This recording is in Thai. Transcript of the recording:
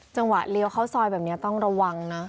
จังหวะเลี้ยวเข้าซอยแบบนี้ต้องระวังนะ